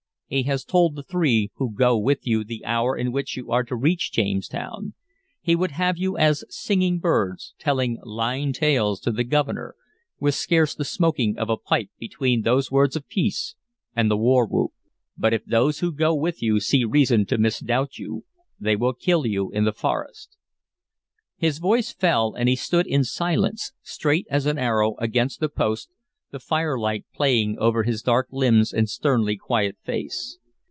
He has told the three who go with you the hour in which you are to reach Jamestown; he would have you as singing birds, telling lying tales to the Governor, with scarce the smoking of a pipe between those words of peace and the war whoop. But if those who go with you see reason to misdoubt you, they will kill you in the forest." His voice fell, and he stood in silence, straight as an arrow, against the post, the firelight playing over his dark limbs and sternly quiet face.